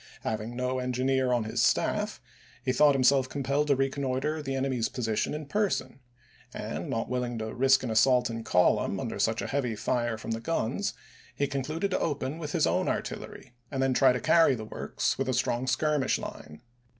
Having no engineer on his staff he thought himself compelled to reconnoitre the enemy's position in person, and, not willing to risk an assault in column under such a heavy fire from the guns, he concluded to open with his own artillery and then try to carry the works with a strong skirmish line.